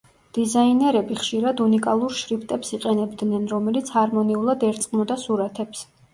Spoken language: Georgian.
დიზაინერები ხშირად უნიკალურ შრიფტებს იყენებდნენ, რომელიც ჰარმონიულად ერწყმოდა სურათებს.